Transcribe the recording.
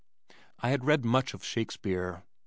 I had read much of Shakespeare.